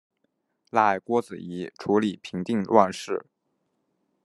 赖郭子仪处理平定乱事。